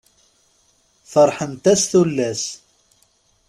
Ferḥent-as tullas.